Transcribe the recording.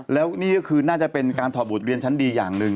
แล้วนี่ก็คือน่าจะเป็นการถอดบทเรียนชั้นดีอย่างหนึ่ง